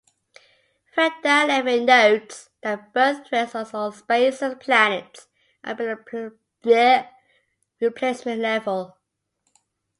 Fredda Leving notes that birthrates on all Spacer planets are below replacement level.